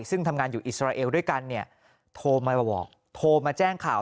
ซึ่งทำงานอยู่อิสราเอลด้วยกันเนี่ยโทรมาบอกโทรมาแจ้งข่าว